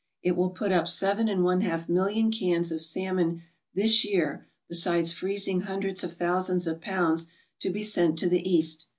It will put up seven and one half million cans of salmon this year besides freezing hundreds of thousands of pounds to be sent to the East.